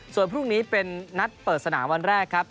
ส่วนพรุ่งนี้เป็นนัดเปิดสนามวันแรกครับ